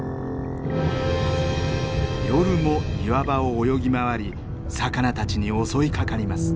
夜も岩場を泳ぎ回り魚たちに襲いかかります。